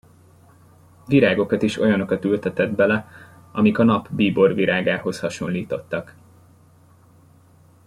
Virágokat is olyanokat ültetett bele, amik a nap bíborvirágához hasonlítottak.